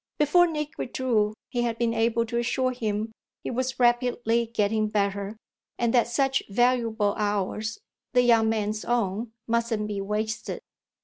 Before Nick withdrew he had been able to assure him he was rapidly getting better and that such valuable hours, the young man's own, mustn't be wasted.